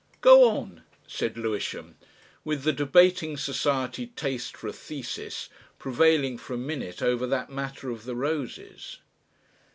"Go on," said Lewisham, with the debating society taste for a thesis prevailing for a minute over that matter of the roses.